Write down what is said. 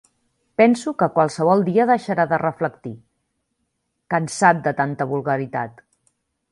Penso que qualsevol dia deixarà de reflectir, cansat de tanta vulgaritat.